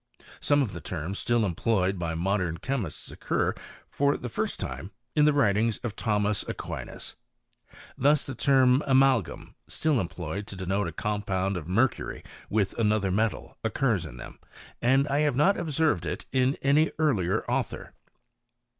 Some of the terms still employed by modem ihemists occur, for the first time, in the writings of liomas Aquinas. Thus the term amalgam, still em iloyed to denote a compound of mercury with another aetal, occurs in them, and I have not observed it in iny earlier author.